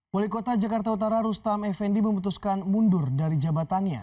wali kota jakarta utara rustam effendi memutuskan mundur dari jabatannya